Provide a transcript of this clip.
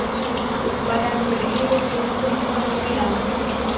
para a melhoria de sua situação material